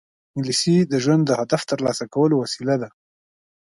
انګلیسي د ژوند د هدف ترلاسه کولو وسیله ده